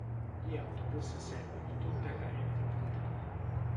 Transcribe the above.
Gli autobus servono tutta l'area metropolitana.